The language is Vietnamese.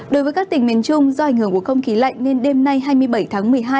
đối với các tỉnh miền trung do ảnh hưởng của không khí lạnh nên đêm nay hai mươi bảy tháng một mươi hai